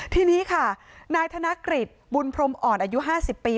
ทีนี้ค่ะนายธนกฤษบุญพรมอ่อนอายุ๕๐ปี